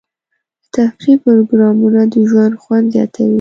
د تفریح پروګرامونه د ژوند خوند زیاتوي.